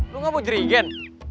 lu ngapain jerigen